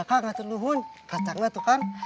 kang cukur cukur kang